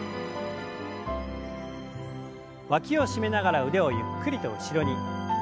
わきを締めながら腕をゆっくりと後ろに。